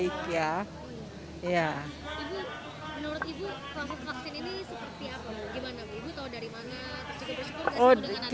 menurut ibu langkah vaksin ini seperti apa